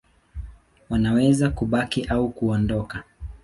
Wanaweza kubaki au kuondoka.